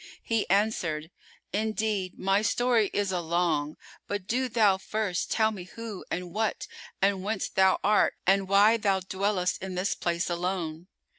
He answered, "Indeed my story is a long but do thou first tell me who and what and whence thou art and why thou dwellest in this place alone."